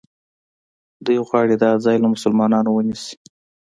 دوی غواړي دا ځای له مسلمانانو ونیسي.